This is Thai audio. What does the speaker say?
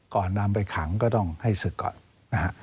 ก่อนนำไปขังก็ต้องให้ศึกก่อนนะฮะ